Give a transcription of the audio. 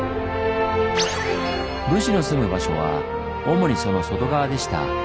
武士の住む場所は主にその外側でした。